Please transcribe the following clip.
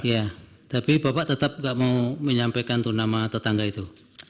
iya tapi bapak tetap tidak mau menyampaikan nama tetangga itu